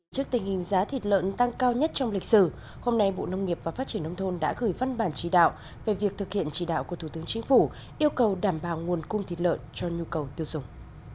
trước tình hình giá thịt lợn tăng cao nhất trong lịch sử hôm nay bộ nông nghiệp và phát triển nông thôn đã gửi văn bản chỉ đạo về việc thực hiện chỉ đạo của thủ tướng chính phủ yêu cầu đảm bảo nguồn cung thịt lợn cho nhu cầu tiêu dùng